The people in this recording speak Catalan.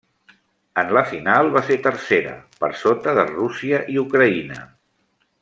En la final, va ser tercera, per sota de Rússia i Ucraïna.